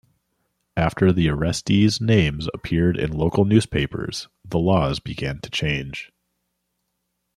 After the arrestees' names appeared in local newspapers, the laws began to change.